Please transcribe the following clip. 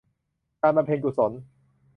การบำเพ็ญกุศล